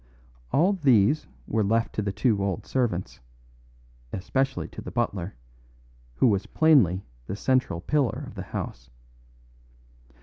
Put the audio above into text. All these were left to the two old servants, especially to the butler, who was plainly the central pillar of the house.